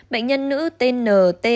bệnh nhân nữ tnt một trăm bảy mươi năm